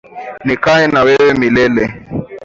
Nikae na wewe milele